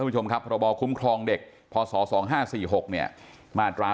ผู้ผู้ผู้ชมครับระบอคุ้มครองเด็กพศ๒๕๔๖เนี่ยมาตรา